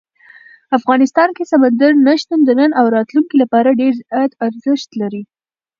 افغانستان کې سمندر نه شتون د نن او راتلونکي لپاره ډېر زیات ارزښت لري.